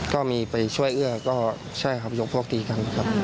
ก็มีไปช่วยเอื้อก็ใช่ครับยกพวกตีกันครับ